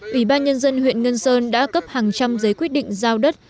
ủy ban nhân dân huyện ngân sơn đã cấp hàng trăm giấy quyết định giao đất